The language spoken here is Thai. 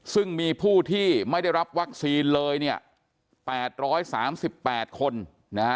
ซึ่งมีผู้ที่ไม่ได้รับวัคซีนเลยเนี่ย๘๓๘คนนะฮะ